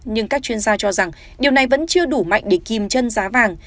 nhưng các chuyên gia cho rằng điều này vẫn chưa đủ mạnh để kim chân giá vàng